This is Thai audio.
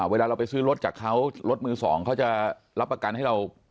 เวลาเราไปซื้อรถจากเขารถมือสองเขาจะรับประกันให้เรา